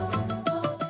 nih aku tidur